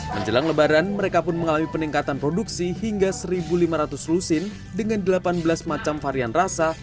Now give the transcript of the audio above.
menjelang lebaran mereka pun mengalami peningkatan produksi hingga satu lima ratus lusin dengan delapan belas macam varian rasa